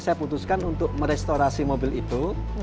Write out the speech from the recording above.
saya putuskan untuk merestorasi mobil itu